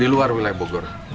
di luar wilayah bogor